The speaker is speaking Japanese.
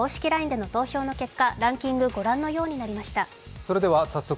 ＬＩＮＥでの投票の結果、ランキング、ご覧のようになりました。